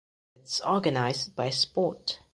It is organized by sport.